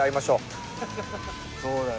そうだね。